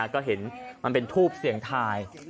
ก็เห็นมันเป็นทูบเสียงทาย